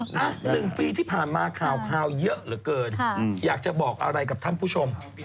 หนึ่งปีที่ผ่านมาข่าวเยอะเหลือเกินอยากจะบอกอะไรกับท่านผู้ชม